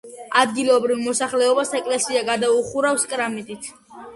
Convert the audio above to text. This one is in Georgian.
ადგილობრივ მოსახლეობას ეკლესია გადაუხურავს კრამიტით.